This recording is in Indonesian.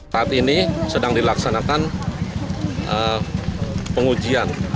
saat ini sedang dilaksanakan pengujian